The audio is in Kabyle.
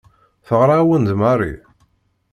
Teɣra-awen-d Mary.